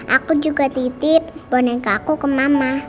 aku juga titip boneka aku ke mama